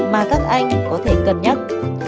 mà các anh có thể cẩn nhắc